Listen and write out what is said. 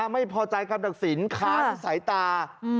ไม่พอใจกรรมดักศิลป์ขาดสายตา